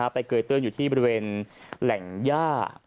ไปเกย์เตือนอยู่ที่สถานีแหล่งหญ้า